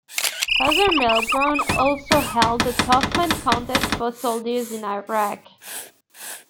Father Mel Brown also held a Toughman Contest for soldiers in Iraq.